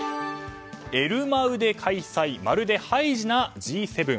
エルマウで開催まるでハイジなＧ７。